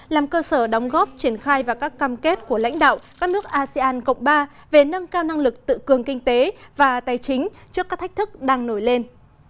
làm cơ sở đóng góp triển khai và các cam kết của lãnh đạo các nước asean cộng ba về nâng cao năng lực tự cường kinh tế và tài chính trước các thách thức đang nổi lên